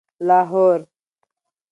لاهور